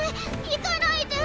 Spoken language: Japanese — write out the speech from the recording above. いかないで。